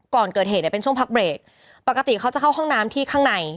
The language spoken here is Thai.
ก่อนเกิดเหตุเนี่ยเป็นช่วงพักเบรกปกติเขาจะเข้าห้องน้ำที่ข้างใน